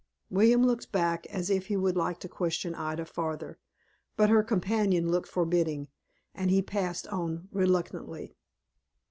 William looked back as if he would like to question Ida farther, but her companion looked forbidding, and he passed on reluctantly.